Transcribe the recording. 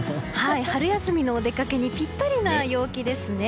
春休みのお出掛けにぴったりな陽気ですね。